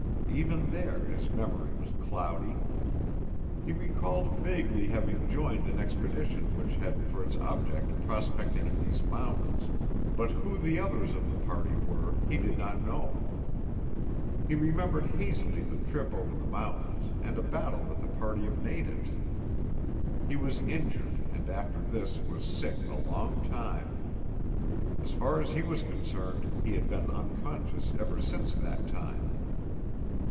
Even there his memory was cloudy. He recalled vaguely having joined an expedition which had for its object prospecting in these mountains, but who the others of the party were he did not know. He remembered hazily the trip over the mountains and a battle with a party of natives. He was injured and after this was sick a long while. As far as he was concerned he had been unconscious ever since that time.